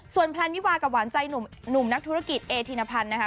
แพลนวิวากับหวานใจหนุ่มนักธุรกิจเอธินพันธ์นะคะ